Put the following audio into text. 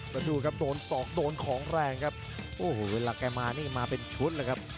แล้วดูครับโดนศอกโดนของแรงครับโอ้โหเวลาแกมานี่มาเป็นชุดเลยครับ